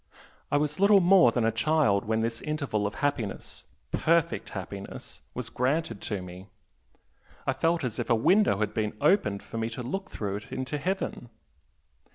I was little more than a child when this 'interval' of happiness PERFECT happiness! was granted to me I felt as if a window had been opened for me to look through it into heaven!"